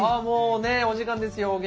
もうねお時間ですよ。